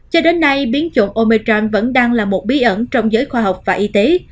cho đến nay biến chủng omecham vẫn đang là một bí ẩn trong giới khoa học và y tế